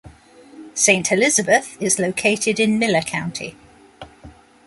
Saint Elizabeth is located in Miller County.